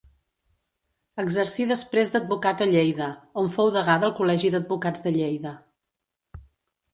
Exercí després d'advocat a Lleida, on fou degà del Col·legi d'Advocats de Lleida.